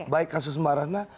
baik kasus mbak ratna